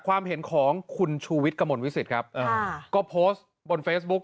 ความเห็นของคุณชูวิตกมลวิศิตครับอ่าก็บนเฟสบุค